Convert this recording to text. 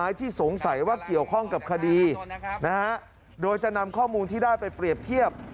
ที่สงสัยว่าเกี่ยวข้องกับคดีนะฮะโดยจะนำข้อมูลที่ได้ไปเปรียบเทียบ